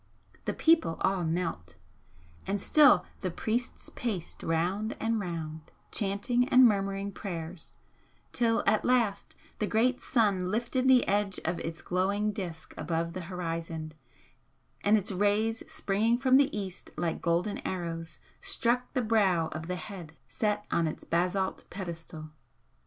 The people all knelt and still the priests paced round and round, chanting and murmuring prayers, till at last the great sun lifted the edge of its glowing disc above the horizon, and its rays springing from the east like golden arrows, struck the brow of the Head set on its basalt pedestal.